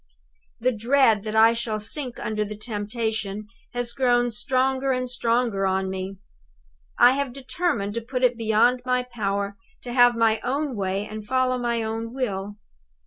"The dread that I shall sink under the temptation has grown stronger and stronger on me. I have determined to put it beyond my power to have my own way and follow my own will.